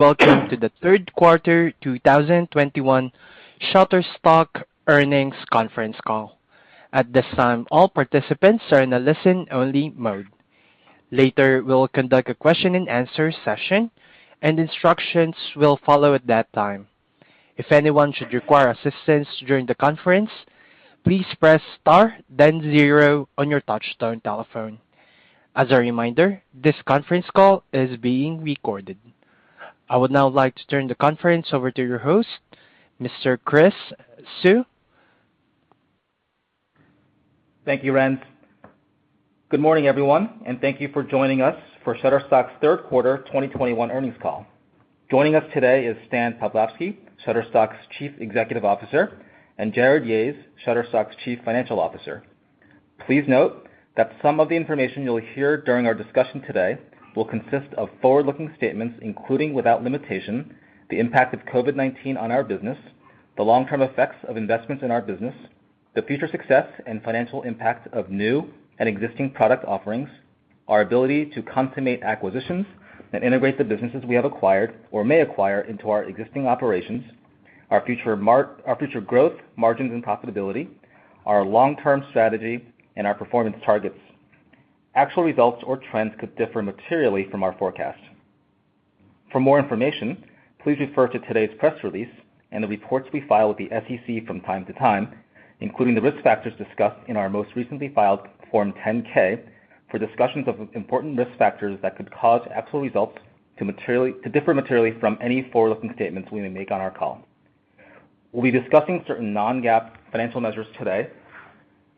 Welcome to the third quarter 2021 Shutterstock Earnings Conference Call. At this time, all participants are in a listen-only mode. Later, we'll conduct a question and answer session and instructions will follow at that time. If anyone should require assistance during the conference, please press star then zero on your touchtone telephone. As a reminder, this conference is being recorded. I would now like to turn the conference over to your host, Mr. Chris Suh. Thank you, Brent. Good morning, everyone, and thank you for joining us for Shutterstock's Third Quarter 2021 Earnings Call. Joining us today is Stan Pavlovsky, Shutterstock's Chief Executive Officer, and Jarrod Yahes, Shutterstock's Chief Financial Officer. Please note that some of the information you'll hear during our discussion today will consist of forward-looking statements, including without limitation, the impact of COVID-19 on our business, the long-term effects of investments in our business, the future success and financial impact of new and existing product offerings, our ability to consummate acquisitions and integrate the businesses we have acquired or may acquire into our existing operations, our future growth, margins and profitability, our long-term strategy and our performance targets. Actual results or trends could differ materially from our forecast. For more information, please refer to today's press release and the reports we file with the SEC from time to time, including the risk factors discussed in our most recently filed Form 10-K for discussions of important risk factors that could cause actual results to differ materially from any forward-looking statements we may make on our call. We'll be discussing certain non-GAAP financial measures today,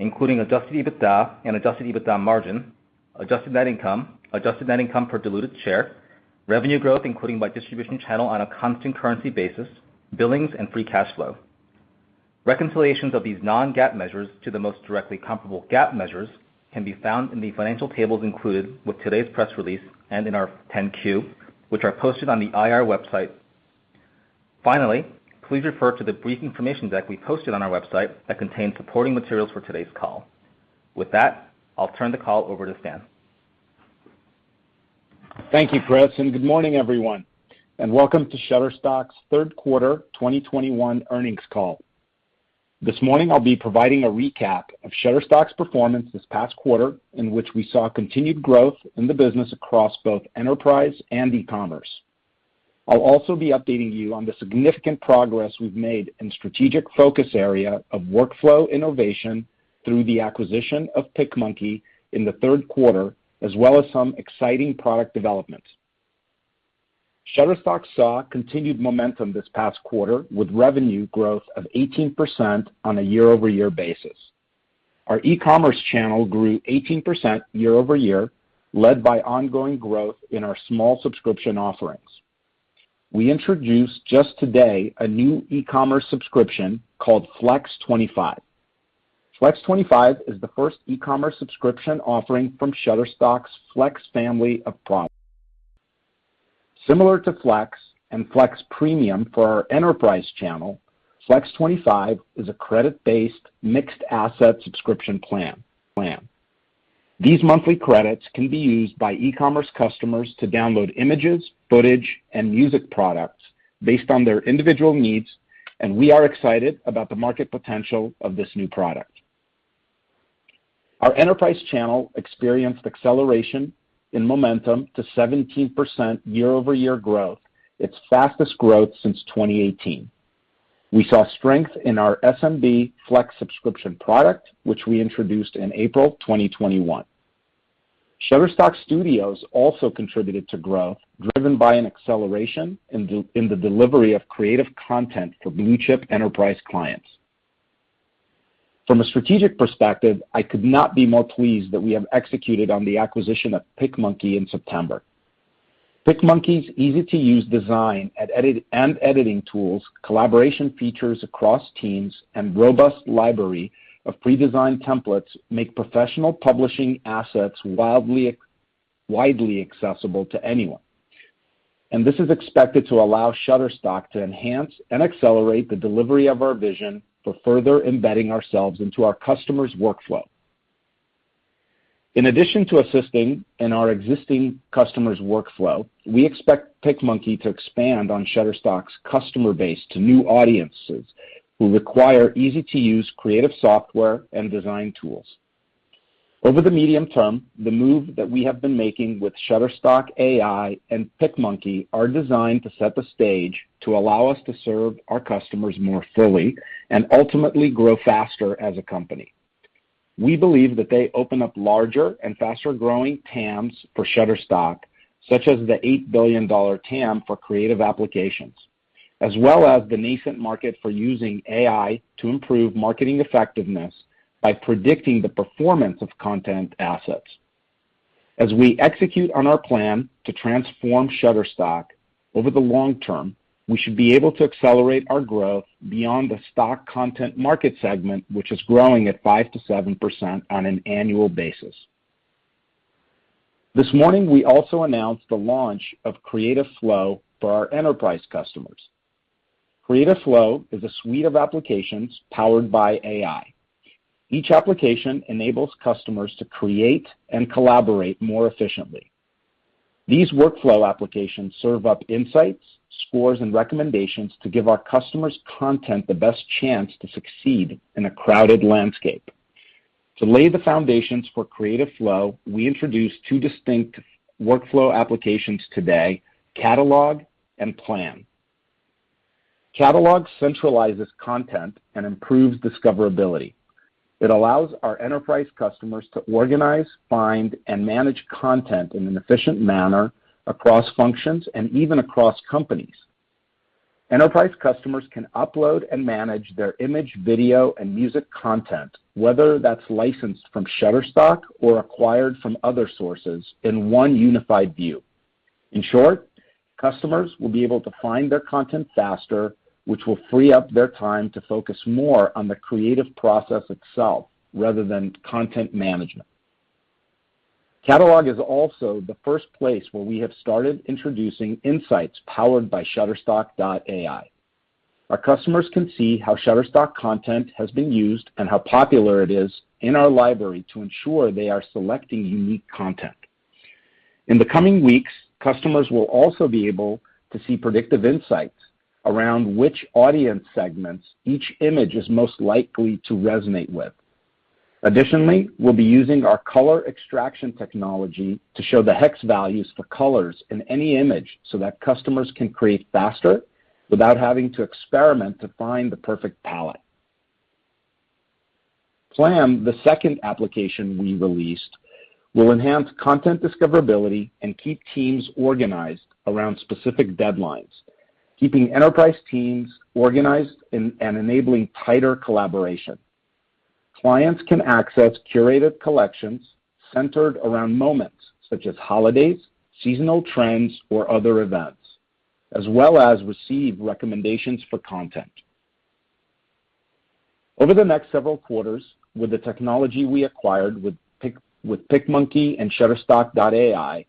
including adjusted EBITDA and adjusted EBITDA margin, adjusted net income, adjusted net income per diluted share, revenue growth, including by distribution channel on a constant currency basis, billings and free cash flow. Reconciliations of these non-GAAP measures to the most directly comparable GAAP measures can be found in the financial tables included with today's press release and in our 10-Q, which are posted on the IR website. Finally, please refer to the brief information deck we posted on our website that contains supporting materials for today's call. With that, I'll turn the call over to Stan. Thank you, Chris, and good morning everyone, and welcome to Shutterstock's third quarter 2021 earnings call. This morning I'll be providing a recap of Shutterstock's performance this past quarter in which we saw continued growth in the business across both enterprise and e-commerce. I'll also be updating you on the significant progress we've made in strategic focus area of workflow innovation through the acquisition of PicMonkey in the third quarter, as well as some exciting product developments. Shutterstock saw continued momentum this past quarter with revenue growth of 18% on a year-over-year basis. Our e-commerce channel grew 18% year-over-year, led by ongoing growth in our small subscription offerings. We introduced just today a new e-commerce subscription called Flex 25. Flex 25 is the first e-commerce subscription offering from Shutterstock's Flex family of products. Similar to Flex and Flex Premium for our enterprise channel, Flex 25 is a credit-based mixed asset subscription plan. These monthly credits can be used by e-commerce customers to download images, footage and music products based on their individual needs, and we are excited about the market potential of this new product. Our enterprise channel experienced acceleration in momentum to 17% year-over-year growth, its fastest growth since 2018. We saw strength in our SMB Flex subscription product, which we introduced in April 2021. Shutterstock Studios also contributed to growth, driven by an acceleration in the delivery of creative content for blue chip enterprise clients. From a strategic perspective, I could not be more pleased that we have executed on the acquisition of PicMonkey in September. PicMonkey's easy-to-use design and editing tools, collaboration features across teams and robust library of pre-designed templates make professional publishing assets widely accessible to anyone. This is expected to allow Shutterstock to enhance and accelerate the delivery of our vision for further embedding ourselves into our customers' workflow. In addition to assisting in our existing customers' workflow, we expect PicMonkey to expand on Shutterstock's customer base to new audiences who require easy-to-use creative software and design tools. Over the medium term, the move that we have been making with Shutterstock.AI and PicMonkey are designed to set the stage to allow us to serve our customers more fully and ultimately grow faster as a company. We believe that they open up larger and faster growing TAMs for Shutterstock, such as the $8 billion TAM for creative applications, as well as the nascent market for using AI to improve marketing effectiveness by predicting the performance of content assets. As we execute on our plan to transform Shutterstock over the long term, we should be able to accelerate our growth beyond the stock content market segment, which is growing at 5%-7% on an annual basis. This morning, we also announced the launch of Creative Flow for our enterprise customers. Creative Flow is a suite of applications powered by AI. Each application enables customers to create and collaborate more efficiently. These workflow applications serve up insights, scores, and recommendations to give our customers' content the best chance to succeed in a crowded landscape. To lay the foundations for Creative Flow, we introduced two distinct workflow applications today, Catalog and Plan. Catalog centralizes content and improves discoverability. It allows our enterprise customers to organize, find, and manage content in an efficient manner across functions and even across companies. Enterprise customers can upload and manage their image, video, and music content, whether that's licensed from Shutterstock or acquired from other sources in one unified view. In short, customers will be able to find their content faster, which will free up their time to focus more on the creative process itself rather than content management. Catalog is also the first place where we have started introducing insights powered by Shutterstock.AI. Our customers can see how Shutterstock content has been used and how popular it is in our library to ensure they are selecting unique content. In the coming weeks, customers will also be able to see predictive insights around which audience segments each image is most likely to resonate with. Additionally, we'll be using our color extraction technology to show the hex values for colors in any image, so that customers can create faster without having to experiment to find the perfect palette. Plan, the second application we released, will enhance content discoverability and keep teams organized around specific deadlines, keeping enterprise teams organized and enabling tighter collaboration. Clients can access curated collections centered around moments such as holidays, seasonal trends, or other events, as well as receive recommendations for content. Over the next several quarters, with the technology we acquired with PicMonkey and Shutterstock.AI,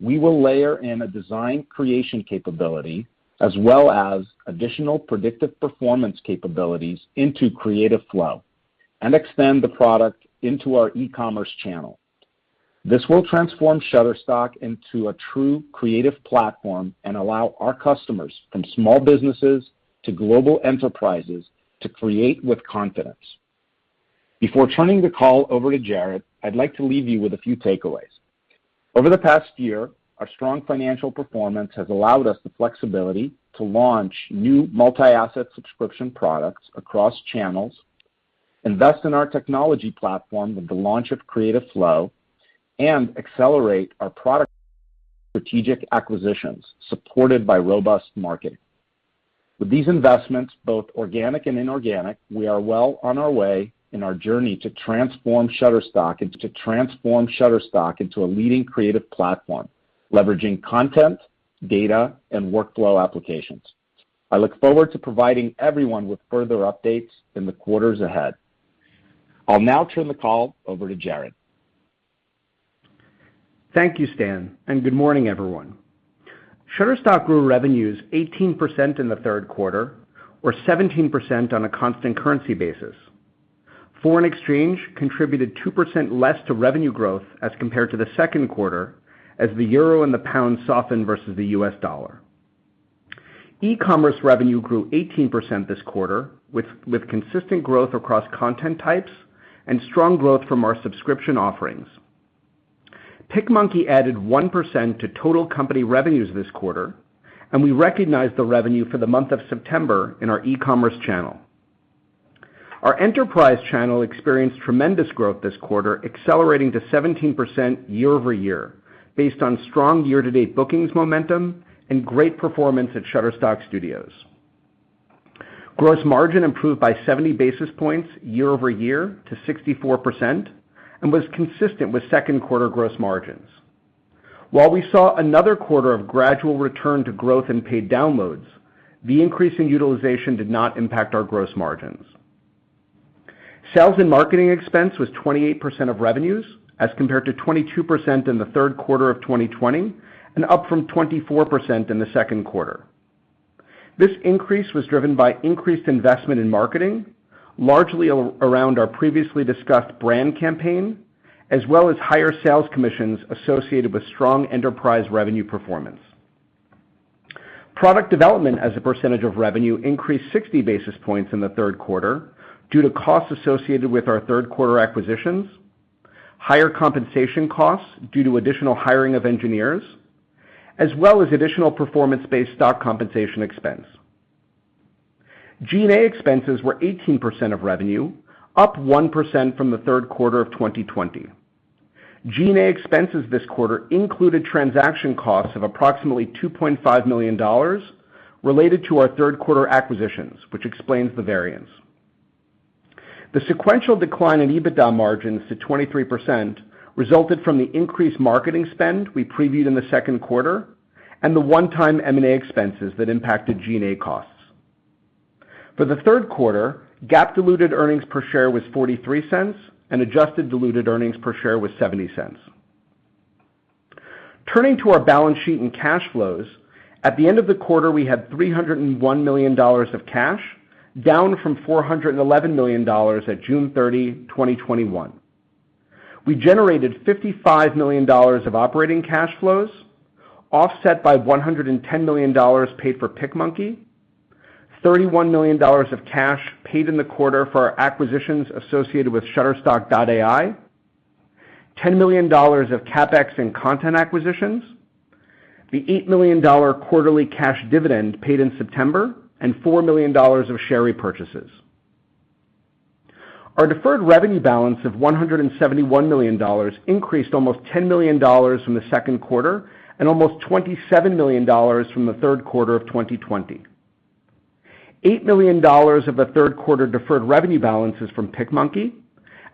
we will layer in a design creation capability, as well as additional predictive performance capabilities into Creative Flow and extend the product into our e-commerce channel. This will transform Shutterstock into a true creative platform and allow our customers, from small businesses to global enterprises, to create with confidence. Before turning the call over to Jarrod, I'd like to leave you with a few takeaways. Over the past year, our strong financial performance has allowed us the flexibility to launch new multi-asset subscription products across channels, invest in our technology platform with the launch of Creative Flow, and accelerate our product strategic acquisitions supported by robust marketing. With these investments, both organic and inorganic, we are well on our way in our journey to transform Shutterstock into a leading creative platform, leveraging content, data, and workflow applications. I look forward to providing everyone with further updates in the quarters ahead. I'll now turn the call over to Jarrod. Thank you, Stan, and good morning, everyone. Shutterstock grew revenues 18% in the third quarter or 17% on a constant currency basis. Foreign exchange contributed 2% less to revenue growth as compared to the second quarter as the euro and the pound softened versus the US dollar. E-commerce revenue grew 18% this quarter with consistent growth across content types and strong growth from our subscription offerings. PicMonkey added 1% to total company revenues this quarter, and we recognized the revenue for the month of September in our e-commerce channel. Our enterprise channel experienced tremendous growth this quarter, accelerating to 17% year-over-year based on strong year-to-date bookings momentum and great performance at Shutterstock Studios. Gross margin improved by 70 basis points year-over-year to 64% and was consistent with second quarter gross margins. While we saw another quarter of gradual return to growth in paid downloads, the increase in utilization did not impact our gross margins. Sales and marketing expense was 28% of revenues, as compared to 22% in the third quarter of 2020 and up from 24% in the second quarter. This increase was driven by increased investment in marketing, largely around our previously discussed brand campaign, as well as higher sales commissions associated with strong enterprise revenue performance. Product development as a percentage of revenue increased 60 basis points in the third quarter due to costs associated with our third quarter acquisitions, higher compensation costs due to additional hiring of engineers, as well as additional performance-based stock compensation expense. G&A expenses were 18% of revenue, up 1% from the third quarter of 2020. G&A expenses this quarter included transaction costs of approximately $2.5 million related to our third quarter acquisitions, which explains the variance. The sequential decline in EBITDA margins to 23% resulted from the increased marketing spend we previewed in the second quarter and the one-time M&A expenses that impacted G&A costs. For the third quarter, GAAP diluted earnings per share was $0.43 and adjusted diluted earnings per share was $0.70. Turning to our balance sheet and cash flows, at the end of the quarter, we had $301 million of cash, down from $411 million at June 30, 2021. We generated $55 million of operating cash flows, offset by $110 million paid for PicMonkey, $31 million of cash paid in the quarter for our acquisitions associated with Shutterstock.AI, $10 million of CapEx and content acquisitions, the $8 million quarterly cash dividend paid in September, and $4 million of share repurchases. Our deferred revenue balance of $171 million increased almost $10 million from the second quarter and almost $27 million from the third quarter of 2020. $8 million of the third quarter deferred revenue balance is from PicMonkey,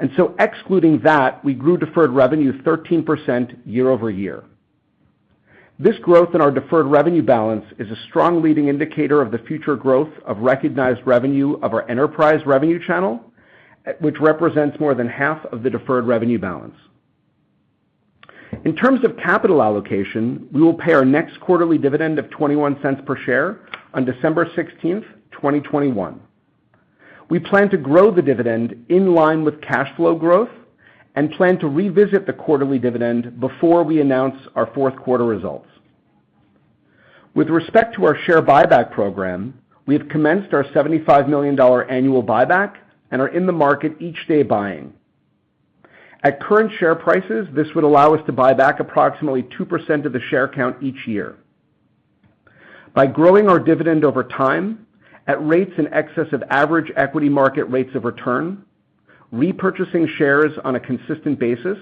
and so excluding that, we grew deferred revenue 13% year-over-year. This growth in our deferred revenue balance is a strong leading indicator of the future growth of recognized revenue of our enterprise revenue channel, which represents more than half of the deferred revenue balance. In terms of capital allocation, we will pay our next quarterly dividend of $0.21 per share on December 16, 2021. We plan to grow the dividend in line with cash flow growth and plan to revisit the quarterly dividend before we announce our fourth quarter results. With respect to our share buyback program, we have commenced our $75 million annual buyback and are in the market each day buying. At current share prices, this would allow us to buy back approximately 2% of the share count each year. By growing our dividend over time at rates in excess of average equity market rates of return, repurchasing shares on a consistent basis,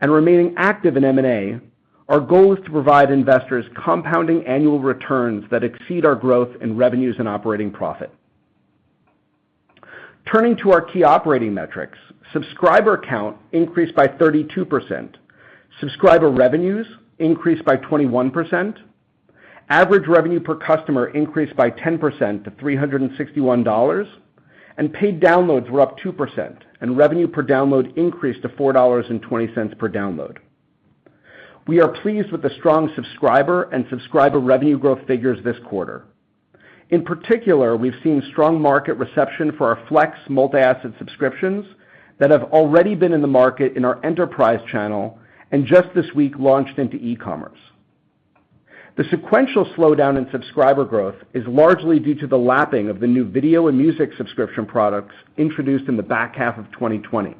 and remaining active in M&A, our goal is to provide investors compounding annual returns that exceed our growth in revenues and operating profit. Turning to our key operating metrics, subscriber count increased by 32%, subscriber revenues increased by 21%, average revenue per customer increased by 10% to $361, and paid downloads were up 2%, and revenue per download increased to $4.20 per download. We are pleased with the strong subscriber and subscriber revenue growth figures this quarter. In particular, we've seen strong market reception for our Flex multi-asset subscriptions that have already been in the market in our enterprise channel and just this week launched into e-commerce. The sequential slowdown in subscriber growth is largely due to the lapping of the new video and music subscription products introduced in the back half of 2020.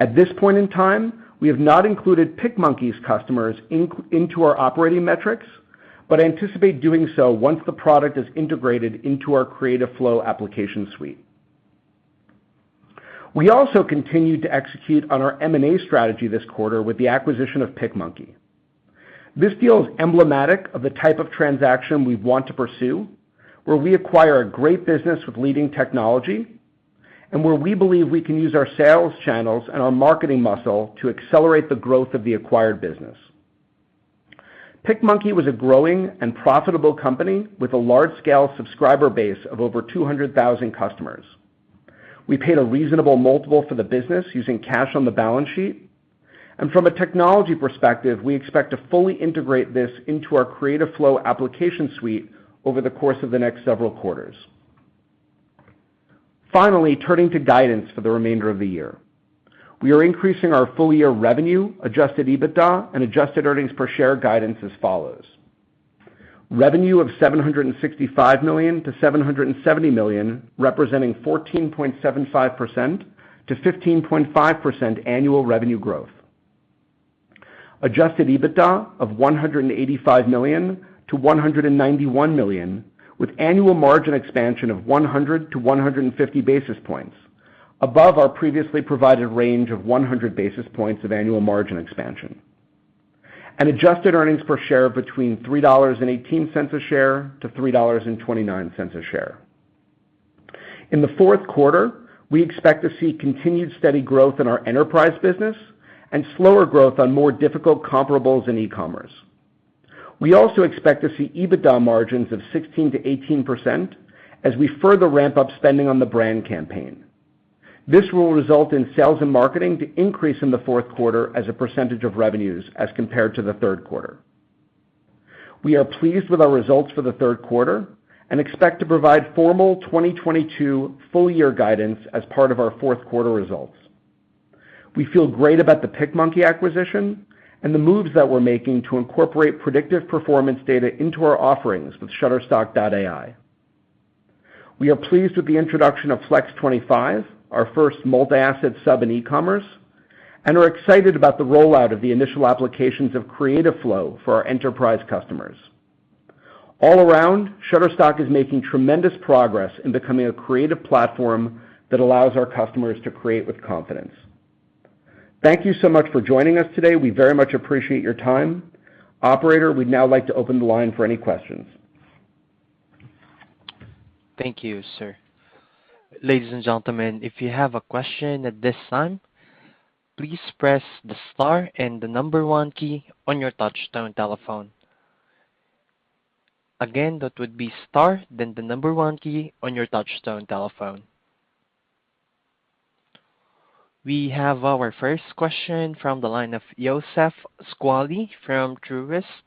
At this point in time, we have not included PicMonkey's customers into our operating metrics, but anticipate doing so once the product is integrated into our Creative Flow application suite. We also continued to execute on our M&A strategy this quarter with the acquisition of PicMonkey. This deal is emblematic of the type of transaction we want to pursue, where we acquire a great business with leading technology and where we believe we can use our sales channels and our marketing muscle to accelerate the growth of the acquired business. PicMonkey was a growing and profitable company with a large-scale subscriber base of over 200,000 customers. We paid a reasonable multiple for the business using cash on the balance sheet. From a technology perspective, we expect to fully integrate this into our Creative Flow application suite over the course of the next several quarters. Finally, turning to guidance for the remainder of the year. We are increasing our full year revenue, adjusted EBITDA, and adjusted earnings per share guidance as follows. Revenue of $765 million-$770 million, representing 14.75%-15.5% annual revenue growth. Adjusted EBITDA of $185 million-$191 million, with annual margin expansion of 100-150 basis points above our previously provided range of 100 basis points of annual margin expansion. Adjusted earnings per share of between $3.18 a share to $3.29 a share. In the fourth quarter, we expect to see continued steady growth in our enterprise business and slower growth on more difficult comparables in e-commerce. We also expect to see EBITDA margins of 16%-18% as we further ramp up spending on the brand campaign. This will result in sales and marketing to increase in the fourth quarter as a percentage of revenues as compared to the third quarter. We are pleased with our results for the third quarter and expect to provide formal 2022 full year guidance as part of our fourth quarter results. We feel great about the PicMonkey acquisition and the moves that we're making to incorporate predictive performance data into our offerings with Shutterstock.AI. We are pleased with the introduction of Flex 25, our first multi-asset sub in e-commerce, and are excited about the rollout of the initial applications of Creative Flow for our enterprise customers. All around, Shutterstock is making tremendous progress in becoming a creative platform that allows our customers to create with confidence. Thank you so much for joining us today. We very much appreciate your time. Operator, we'd now like to open the line for any questions. Thank you, sir. Ladies and gentlemen, if you have a question at this time, please press the star and the number one key on your touchtone telephone. Again, that would be star, then the number one key on your touchtone telephone. We have our first question from the line of Youssef Squali from Truist.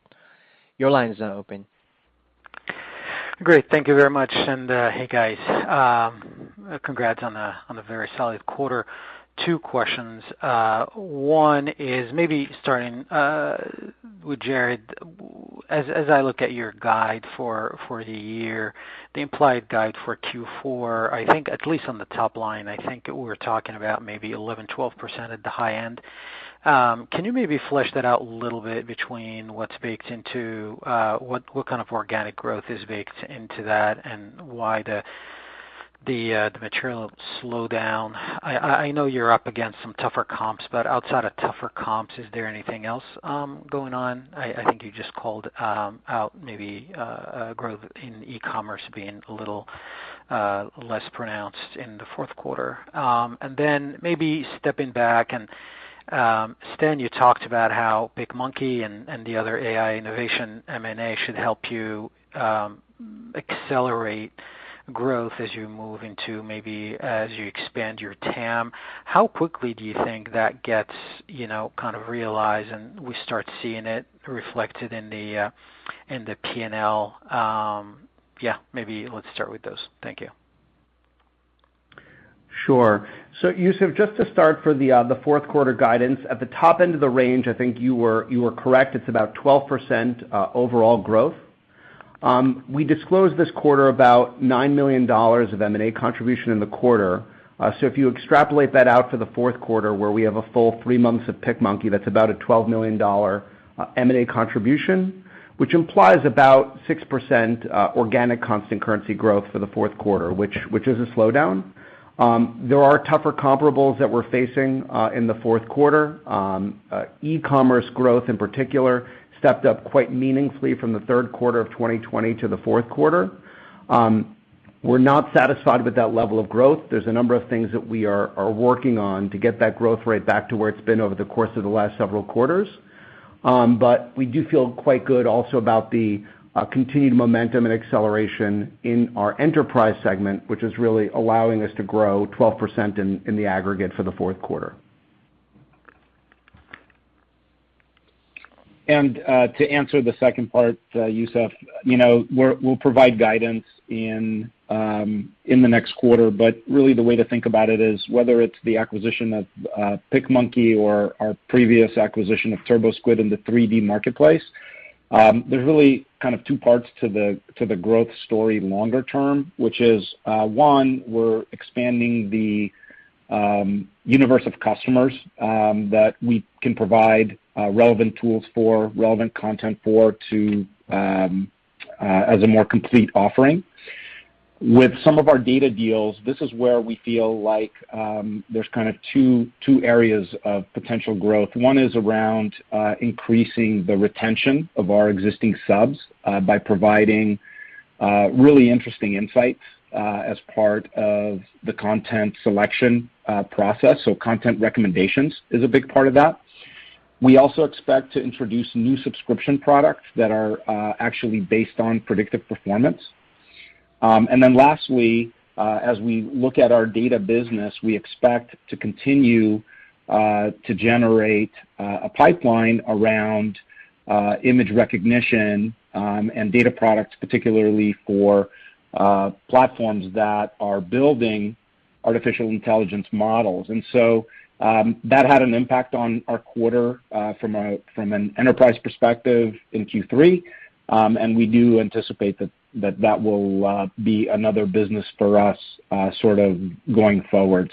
Your line is now open. Great. Thank you very much. Hey, guys. Congrats on a very solid quarter. Two questions. One is maybe starting with Jarrod. As I look at your guide for the year, the implied guide for Q4, I think at least on the top line, I think we're talking about maybe 11%-12% at the high end. Can you maybe flesh that out a little bit between what's baked into what kind of organic growth is baked into that and why the material slowdown. I know you're up against some tougher comps, but outside of tougher comps, is there anything else going on? I think you just called out maybe growth in e-commerce being a little less pronounced in the fourth quarter. Maybe stepping back, Stan, you talked about how PicMonkey and the other AI innovation M&A should help you accelerate growth as you move into maybe as you expand your TAM. How quickly do you think that gets, you know, kind of realized, and we start seeing it reflected in the P&L? Yeah, maybe let's start with those. Thank you. Sure. Youssef, just to start for the fourth quarter guidance, at the top end of the range, I think you were correct. It's about 12% overall growth. We disclosed this quarter about $9 million of M&A contribution in the quarter. So if you extrapolate that out for the fourth quarter, where we have a full three months of PicMonkey, that's about a $12 million M&A contribution, which implies about 6% organic constant currency growth for the fourth quarter, which is a slowdown. There are tougher comparables that we're facing in the fourth quarter. E-commerce growth, in particular, stepped up quite meaningfully from the third quarter of 2020 to the fourth quarter. We're not satisfied with that level of growth. There's a number of things that we are working on to get that growth rate back to where it's been over the course of the last several quarters. We do feel quite good also about the continued momentum and acceleration in our enterprise segment, which is really allowing us to grow 12% in the aggregate for the fourth quarter. To answer the second part, Youssef, you know, we'll provide guidance in the next quarter, but really the way to think about it is whether it's the acquisition of PicMonkey or our previous acquisition of TurboSquid in the 3D marketplace. There's really kind of two parts to the growth story longer term, which is one, we're expanding the universe of customers that we can provide relevant tools for, relevant content for to as a more complete offering. With some of our data deals, this is where we feel like there's kind of two areas of potential growth. One is around increasing the retention of our existing subs by providing really interesting insights as part of the content selection process. Content recommendations is a big part of that. We also expect to introduce new subscription products that are actually based on predictive performance. Then lastly, as we look at our data business, we expect to continue to generate a pipeline around image recognition and data products, particularly for platforms that are building artificial intelligence models. That had an impact on our quarter from an enterprise perspective in Q3. We do anticipate that will be another business for us sort of going forward.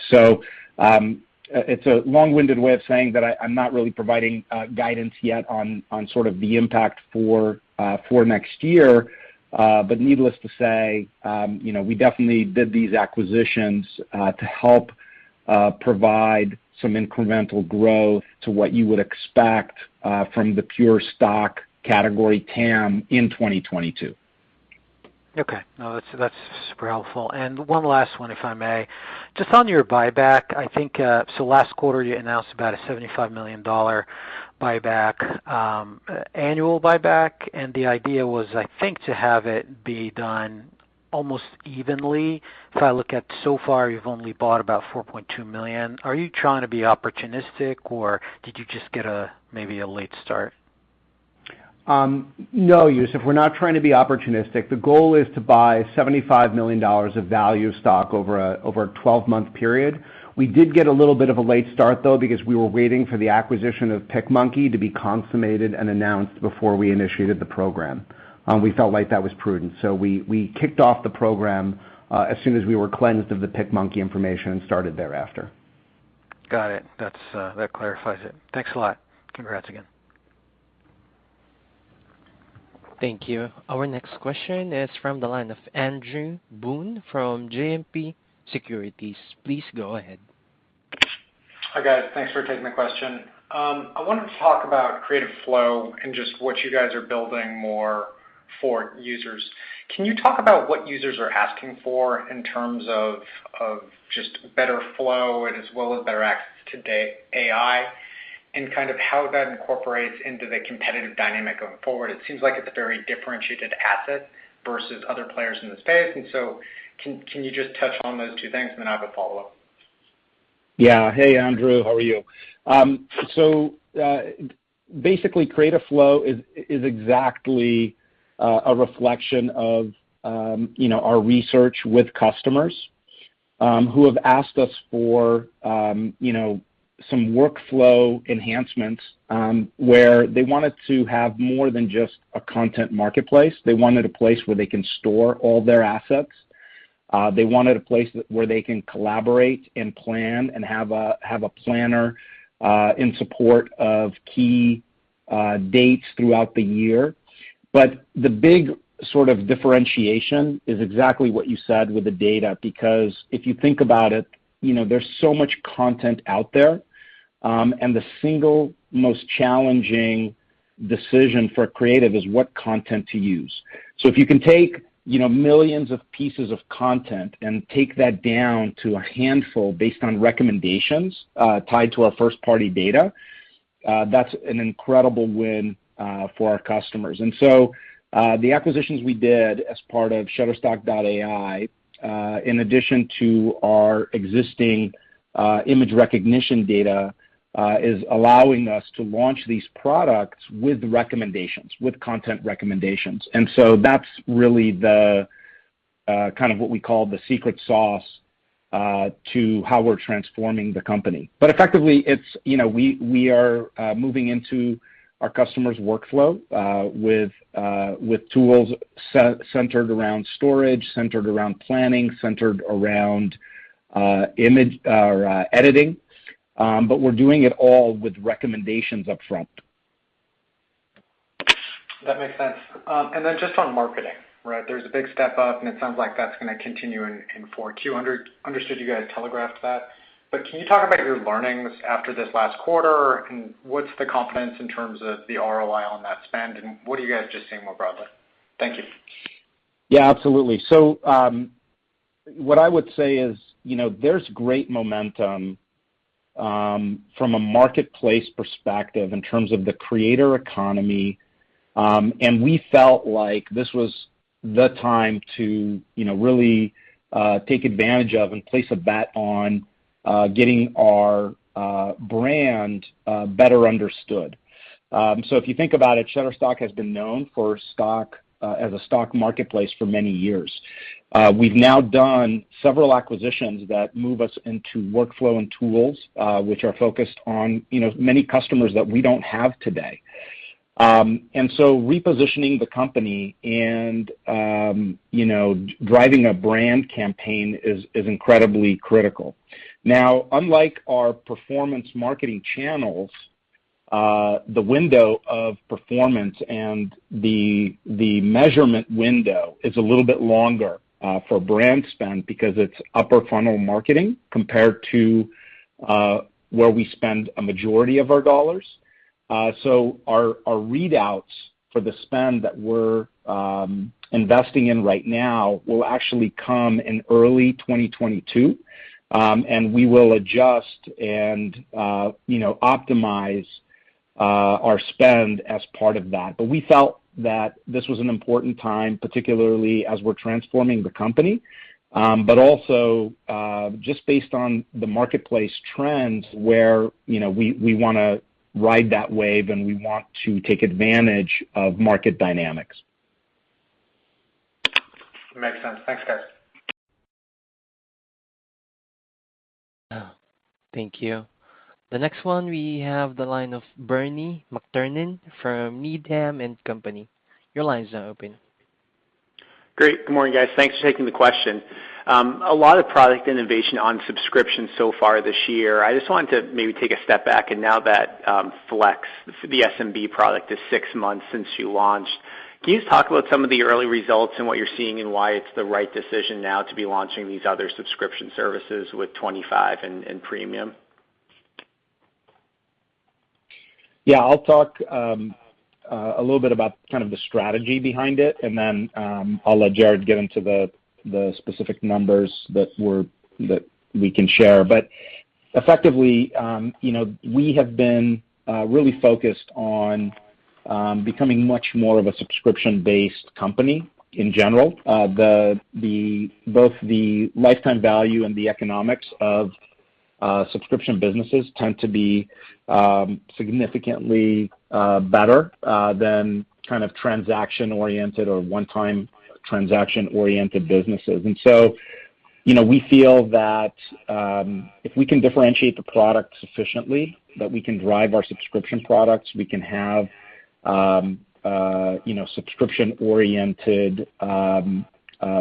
It's a long-winded way of saying that I'm not really providing guidance yet on sort of the impact for next year. Needless to say, you know, we definitely did these acquisitions to help provide some incremental growth to what you would expect from the pure stock category TAM in 2022. Okay. No, that's super helpful. One last one, if I may. Just on your buyback, I think so last quarter you announced about a $75 million buyback, annual buyback, and the idea was, I think, to have it be done almost evenly. If I look at so far, you've only bought about $4.2 million. Are you trying to be opportunistic, or did you just get maybe a late start? No, Youssef. We're not trying to be opportunistic. The goal is to buy $75 million of value stock over a 12-month period. We did get a little bit of a late start, though, because we were waiting for the acquisition of PicMonkey to be consummated and announced before we initiated the program. We felt like that was prudent. We kicked off the program as soon as we were cleansed of the PicMonkey information and started thereafter. Got it. That's, that clarifies it. Thanks a lot. Congrats again. Thank you. Our next question is from the line of Andrew Boone from JMP Securities. Please go ahead. Hi, guys. Thanks for taking the question. I wanted to talk about Creative Flow and just what you guys are building more for users. Can you talk about what users are asking for in terms of just better flow and as well as better access to AI? Kind of how that incorporates into the competitive dynamic going forward. It seems like it's a very differentiated asset versus other players in the space. Can you just touch on those two things? Then I have a follow-up. Yeah. Hey, Andrew. How are you? So, basically, Creative Flow is exactly a reflection of, you know, our research with customers, who have asked us for, you know, some workflow enhancements, where they wanted to have more than just a content marketplace. They wanted a place where they can store all their assets. They wanted a place where they can collaborate and plan and have a planner in support of key dates throughout the year. But the big sort of differentiation is exactly what you said with the data. Because if you think about it, you know, there's so much content out there, and the single most challenging decision for creative is what content to use. If you can take, you know, millions of pieces of content and take that down to a handful based on recommendations tied to our first-party data, that's an incredible win for our customers. The acquisitions we did as part of Shutterstock.AI in addition to our existing image recognition data is allowing us to launch these products with recommendations, with content recommendations. That's really the kind of what we call the secret sauce to how we're transforming the company. Effectively, it's, you know, we are moving into our customer's workflow with with tools centered around storage, centered around planning, centered around editing, but we're doing it all with recommendations up front. That makes sense. Just on marketing, right? There's a big step up, and it sounds like that's gonna continue in Q4. Understood you guys telegraphed that. Can you talk about your learnings after this last quarter, and what's the confidence in terms of the ROI on that spend, and what are you guys just seeing more broadly? Thank you. Yeah, absolutely. What I would say is, you know, there's great momentum from a marketplace perspective in terms of the creator economy, and we felt like this was the time to, you know, really take advantage of and place a bet on getting our brand better understood. If you think about it, Shutterstock has been known as a stock marketplace for many years. We've now done several acquisitions that move us into workflow and tools, which are focused on, you know, many customers that we don't have today. Repositioning the company and, you know, driving a brand campaign is incredibly critical. Now, unlike our performance marketing channels, the window of performance and the measurement window is a little bit longer for brand spend because it's upper funnel marketing compared to where we spend a majority of our dollars. So our readouts for the spend that we're investing in right now will actually come in early 2022, and we will adjust and you know optimize our spend as part of that. But we felt that this was an important time, particularly as we're transforming the company, but also just based on the marketplace trends where you know we wanna ride that wave, and we want to take advantage of market dynamics. Makes sense. Thanks, guys. Thank you. The next one, we have the line of Bernie McTernan from Needham & Company. Your line is now open. Great. Good morning, guys. Thanks for taking the question. A lot of product innovation on subscription so far this year. I just wanted to maybe take a step back and now that Flex, the SMB product is six months since you launched. Can you just talk about some of the early results and what you're seeing and why it's the right decision now to be launching these other subscription services with 25 and premium? Yeah. I'll talk a little bit about kind of the strategy behind it, and then I'll let Jared get into the specific numbers that we can share. Effectively, you know, we have been really focused on becoming much more of a subscription-based company in general. Both the lifetime value and the economics of subscription businesses tend to be significantly better than kind of transaction-oriented or one-time transaction-oriented businesses. You know, we feel that if we can differentiate the product sufficiently, that we can drive our subscription products, we can have you know, subscription-oriented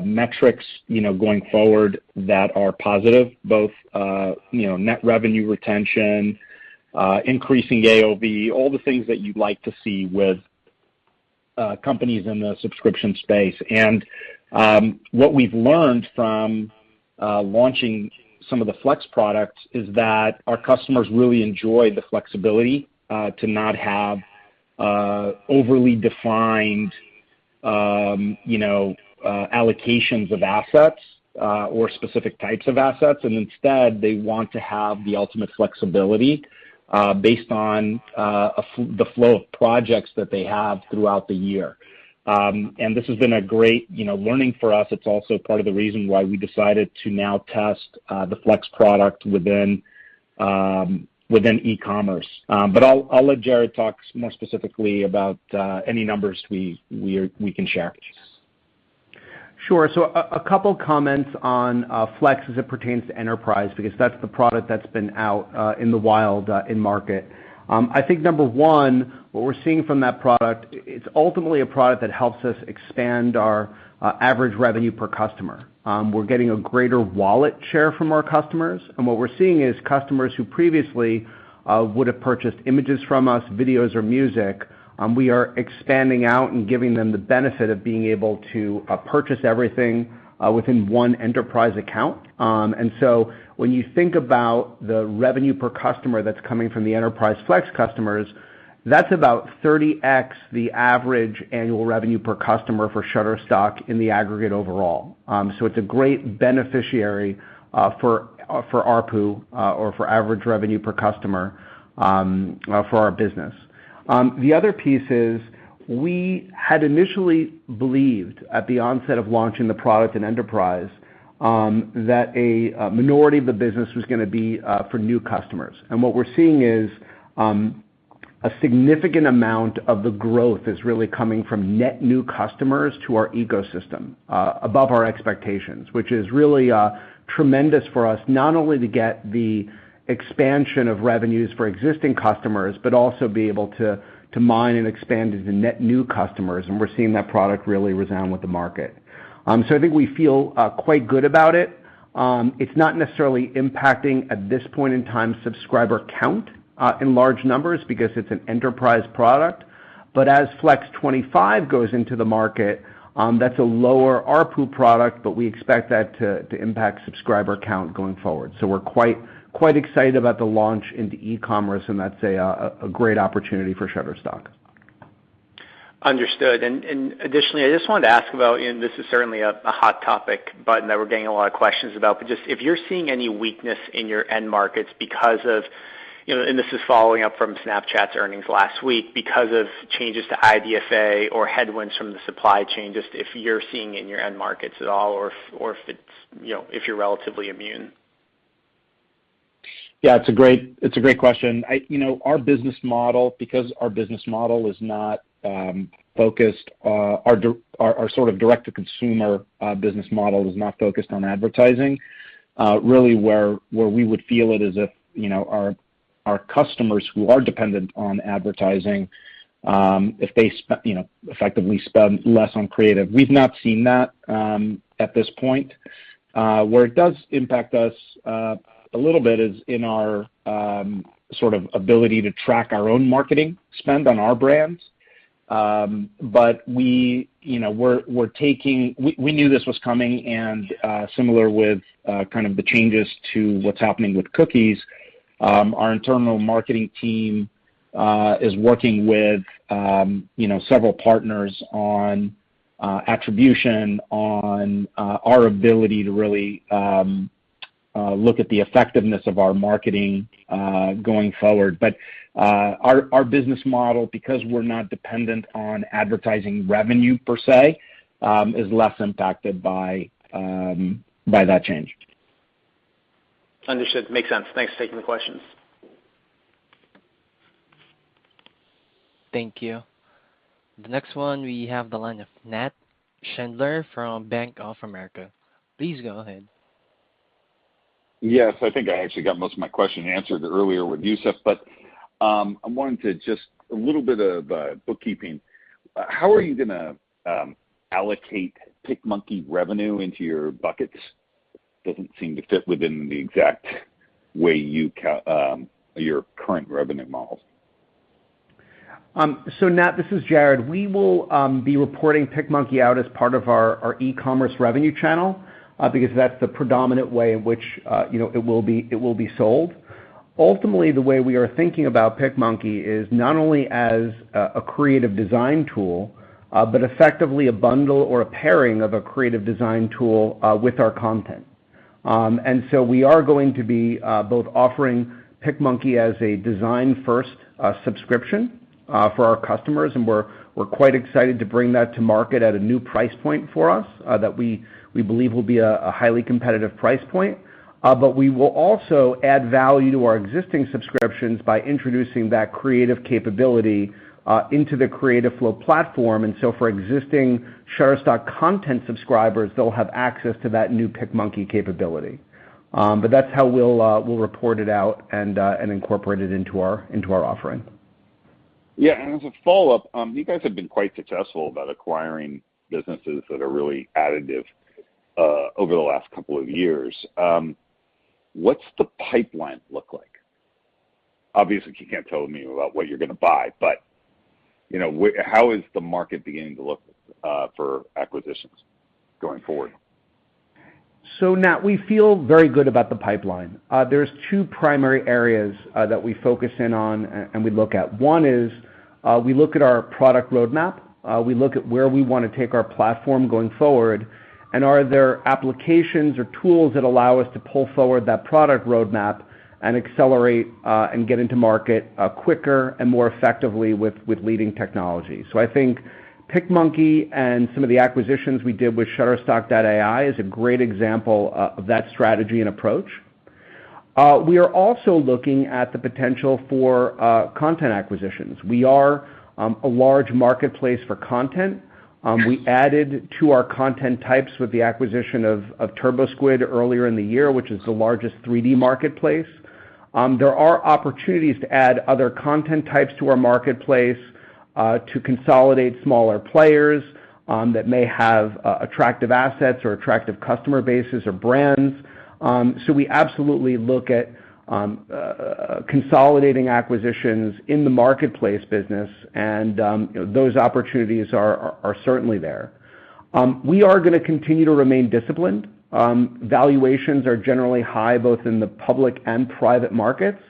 metrics, you know, going forward that are positive, both you know, net revenue retention, increasing AOV, all the things that you'd like to see with companies in the subscription space. What we've learned from launching some of the Flex products is that our customers really enjoy the flexibility to not have overly defined, you know, allocations of assets or specific types of assets. Instead, they want to have the ultimate flexibility based on the flow of projects that they have throughout the year. This has been a great, you know, learning for us. It's also part of the reason why we decided to now test the Flex product within e-commerce. I'll let Jarrod talk more specifically about any numbers we can share. Sure. A couple comments on Flex as it pertains to enterprise because that's the product that's been out in the wild in market. I think number one, what we're seeing from that product, it's ultimately a product that helps us expand our average revenue per customer. We're getting a greater wallet share from our customers. What we're seeing is customers who previously would have purchased images from us, videos or music, we are expanding out and giving them the benefit of being able to purchase everything within one enterprise account. When you think about the revenue per customer that's coming from the enterprise Flex customers, that's about 30x the average annual revenue per customer for Shutterstock in the aggregate overall. It's a great beneficiary for ARPU or for average revenue per customer for our business. The other piece is we had initially believed at the onset of launching the product in enterprise that a minority of the business was gonna be for new customers. What we're seeing is a significant amount of the growth is really coming from net new customers to our ecosystem above our expectations, which is really tremendous for us, not only to get the expansion of revenues for existing customers, but also be able to mine and expand into net new customers. We're seeing that product really resonate with the market. I think we feel quite good about it. It's not necessarily impacting, at this point in time, subscriber count in large numbers because it's an enterprise product. As Flex 25 goes into the market, that's a lower ARPU product, but we expect that to impact subscriber count going forward. We're quite excited about the launch into e-commerce, and that's a great opportunity for Shutterstock. Understood. Additionally, I just wanted to ask about, and this is certainly a hot topic, but that we're getting a lot of questions about. Just if you're seeing any weakness in your end markets because of, you know, and this is following up from Snapchat's earnings last week because of changes to IDFA or headwinds from the supply chain, just if you're seeing it in your end markets at all or if it's, you know, if you're relatively immune. Yeah, it's a great question. You know, our business model, because our business model is not focused, our sort of direct-to-consumer business model is not focused on advertising really where we would feel it is if you know, our customers who are dependent on advertising if they you know effectively spend less on creative. We've not seen that at this point. Where it does impact us a little bit is in our sort of ability to track our own marketing spend on our brands. We knew this was coming and similar with kind of the changes to what's happening with cookies, our internal marketing team is working with you know several partners on attribution on our ability to really look at the effectiveness of our marketing going forward. Our business model, because we're not dependent on advertising revenue per se, is less impacted by that change. Understood. Makes sense. Thanks for taking the questions. Thank you. The next one, we have the line of Nat Schindler from Bank of America. Please go ahead. Yes. I think I actually got most of my question answered earlier with Youssef Squali, but I'm wanting to just a little bit of bookkeeping. How are you gonna allocate PicMonkey revenue into your buckets? Doesn't seem to fit within the exact way you count your current revenue models. Nat, this is Jarrod. We will be reporting PicMonkey out as part of our e-commerce revenue channel because that's the predominant way in which you know it will be sold. Ultimately, the way we are thinking about PicMonkey is not only as a creative design tool but effectively a bundle or a pairing of a creative design tool with our content. We are going to be both offering PicMonkey as a design-first subscription for our customers, and we're quite excited to bring that to market at a new price point for us that we believe will be a highly competitive price point. We will also add value to our existing subscriptions by introducing that creative capability into the Creative Flow platform. For existing Shutterstock content subscribers, they'll have access to that new PicMonkey capability. But that's how we'll report it out and incorporate it into our offering. Yeah. As a follow-up, you guys have been quite successful about acquiring businesses that are really additive over the last couple of years. What's the pipeline look like? Obviously, you can't tell me about what you're gonna buy, but, you know, how is the market beginning to look for acquisitions going forward? Nat, we feel very good about the pipeline. There are two primary areas that we focus in on and we look at. One is, we look at our product roadmap. We look at where we wanna take our platform going forward, and are there applications or tools that allow us to pull forward that product roadmap and accelerate and get to market quicker and more effectively with leading technology. I think PicMonkey and some of the acquisitions we did with Shutterstock.AI is a great example of that strategy and approach. We are also looking at the potential for content acquisitions. We are a large marketplace for content. We added to our content types with the acquisition of TurboSquid earlier in the year, which is the largest 3D marketplace. There are opportunities to add other content types to our marketplace, to consolidate smaller players, that may have attractive assets or attractive customer bases or brands. We absolutely look at consolidating acquisitions in the marketplace business and, you know, those opportunities are certainly there. We are gonna continue to remain disciplined. Valuations are generally high, both in the public and private markets.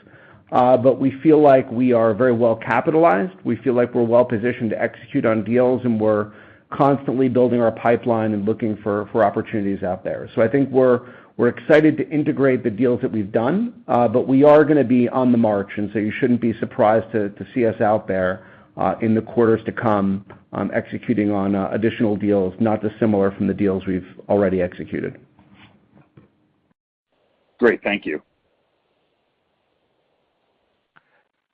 We feel like we are very well capitalized. We feel like we're well-positioned to execute on deals, and we're constantly building our pipeline and looking for opportunities out there. I think we're excited to integrate the deals that we've done, but we are gonna be on the march, and so you shouldn't be surprised to see us out there, in the quarters to come, executing on additional deals not dissimilar from the deals we've already executed. Great. Thank you.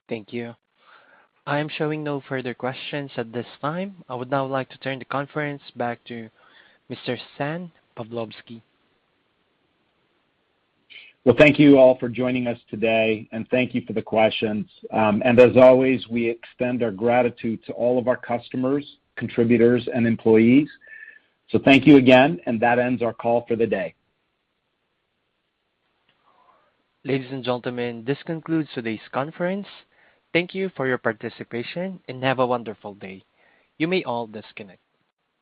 Thank you. I am showing no further questions at this time. I would now like to turn the conference back to Mr. Stan Pavlovsky. Well, thank you all for joining us today, and thank you for the questions. As always, we extend our gratitude to all of our customers, contributors, and employees. Thank you again, and that ends our call for the day. Ladies and gentlemen, this concludes today's conference. Thank you for your participation and have a wonderful day. You may all disconnect.